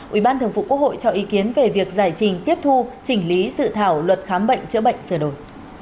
ủy ban thường vụ quốc hội cho ý kiến về việc giải trình tiếp thu chỉnh lý dự thảo luật khám bệnh chữa bệnh sửa đổi